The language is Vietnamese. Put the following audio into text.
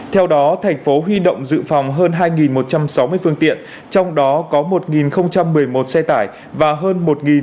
theo đó thành phố huy động dự phòng hơn hai một trăm sáu mươi phương tiện trong đó có một một mươi một xe tải và hơn một một trăm năm mươi